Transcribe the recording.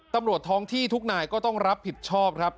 ตำรวจท้องที่ทุกนายก็ต้องรับผิดชอบครับ